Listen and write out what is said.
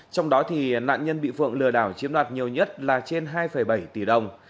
trong đó nạn nhân bị phượng lừa đảo chiếm đoạt nhiều nhất là trên hai bảy tỷ đồng